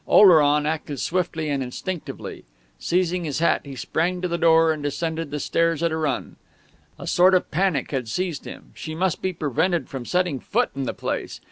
Oleron acted swiftly and instinctively. Seizing his hat, he sprang to the door and descended the stairs at a run. A sort of panic had seized him. She must be prevented from setting foot in the place.